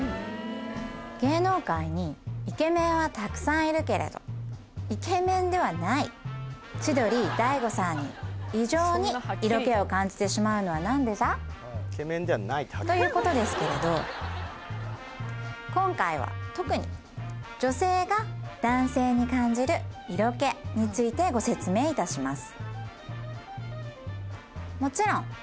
芸能界にイケメンはたくさんいるけれどイケメンではない千鳥・大悟さんに異常に色気を感じてしまうのは何でじゃ？ということですけれど今回は特に女性が男性に感じる色気についてご説明いたします